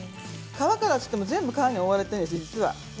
皮からと言っても、全部皮に覆われているんですよ実は。